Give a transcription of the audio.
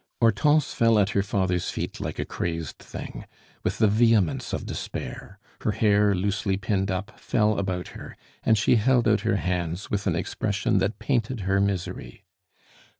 Hortense fell at her father's feet like a crazed thing, with the vehemence of despair; her hair, loosely pinned up, fell about her, and she held out her hands with an expression that painted her misery.